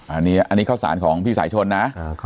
อันนี้เข้าสารของพี่สายชนนะ